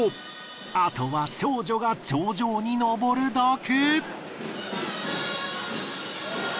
あとは少女が頂上に登るだけ。